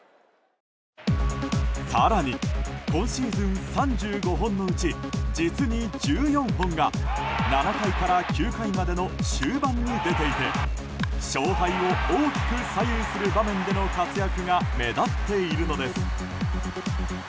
更に今シーズン３５本のうち実に１４本が７回から９回までの終盤に出ていて勝敗を大きく左右する場面での活躍が目立っているのです。